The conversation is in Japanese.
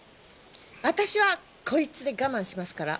私はこいつで我慢しますから！